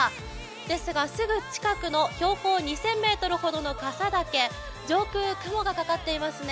ですがすぐ近くの標高２００ｍほどの山、上空、雲がかかっていますね。